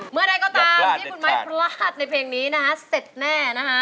เมื่อใดก็ตามที่คุณไม้พลาดในเพลงนี้นะฮะเสร็จแน่นะคะ